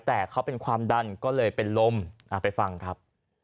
แต่เขาเป็นความดันก็เลยเป็นลมไปฟังครับ